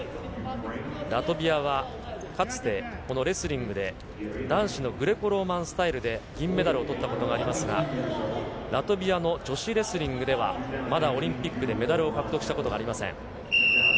ラトビアはかつて、このレスリングで男子のグレコローマンスタイルで銀メダルをとったことがありますが、ラトビアの女子レスリングでは、まだオリンピックでメダルを獲得したことがありません。